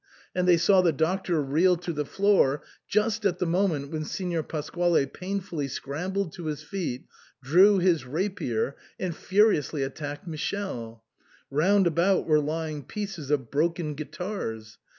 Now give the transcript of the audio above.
And they saw the Doctor reel to the floor just at the moment when Signor Pasquale painfully scrambled to his feet, drew his rapier, and furiously at tacked Michele. Round about were lying pieces of broken guitars.